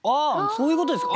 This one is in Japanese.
そういうことですか？